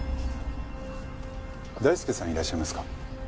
大輔さんいらっしゃいますか？